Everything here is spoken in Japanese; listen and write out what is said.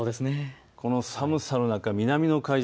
この寒さの中、南の海上